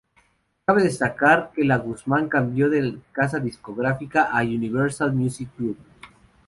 Cabe destacar, que La Guzmán cambió de casa discográfica a Universal Music Group.